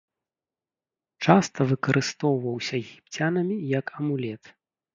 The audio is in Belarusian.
Часта выкарыстоўваўся егіпцянамі як амулет.